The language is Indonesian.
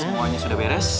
semuanya sudah beres